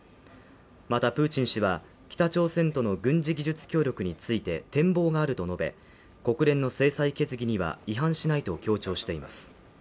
またプーチン氏は北朝鮮との軍事技術協力について展望があると述べ国連の制裁決議には違反しないと強調しています